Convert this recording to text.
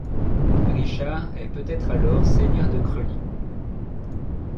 Richard est peut-être alors seigneur de Creully.